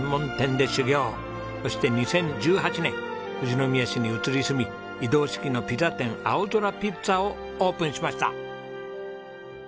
そして２０１８年富士宮市に移り住み移動式のピザ店あおぞらピッツァをオープンしました。